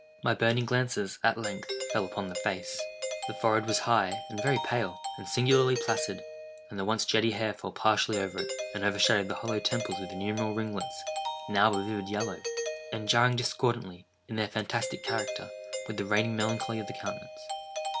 My burning glances at length fell upon the face. The forehead was high, and very pale, and singularly placid; and the once jetty hair fell partially over it, and overshadowed the hollow temples with innumerable ringlets, now of a vivid yellow, and jarring discordantly, in their fantastic character, with the reigning melancholy of the countenance.